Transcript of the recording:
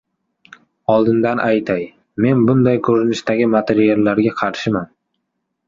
Oldindan aytay men bunday koʻrinishdagi materiallarga qarshiman.